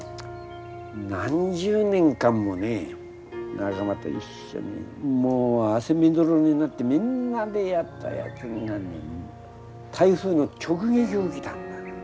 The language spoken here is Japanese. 何十年間もね仲間と一緒にもう汗みどろになってみんなでやったやつが台風の直撃を受けたんだ。